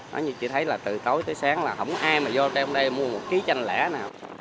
nói như chỉ thấy là từ tối tới sáng là không có ai mà vô trong đây mua một ký chanh lẻ nào